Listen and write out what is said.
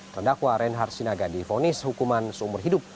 terdakwa reinhard sinaga difonis hukuman seumur hidup